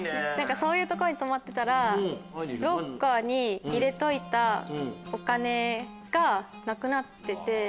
そういう所に泊まってたらロッカーに入れといたお金がなくなってて。